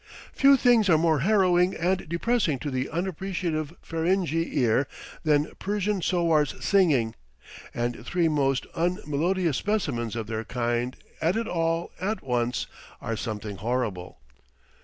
Few things are more harrowing and depressing to the unappreciative Ferenghi ear than Persian sowars singing, and three most unmelodious specimens of their kind at it all at once are something horrible.